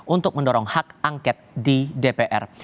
untuk mendorong hak angket di dpr